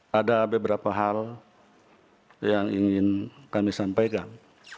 hai ada beberapa hal yang ingin kami sampaikan